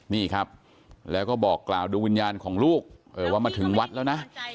นี่ครับแล้วก็บอกกล่าวดูวิญญาณของลูกว่ามาถึงวัดแล้วนะ